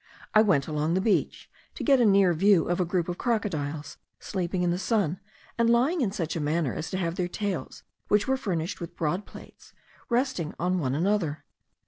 I went along the beach to get a near view of a group of crocodiles sleeping in the sun, and lying in such a manner as to have their tails, which were furnished with broad plates, resting on one another.